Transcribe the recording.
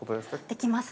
◆できます。